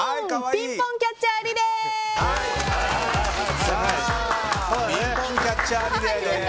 ピンポンキャッチャーリレー！